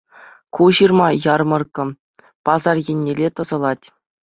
Ку ҫырма «Ярмӑрккӑ» пасар еннелле тӑсӑлать.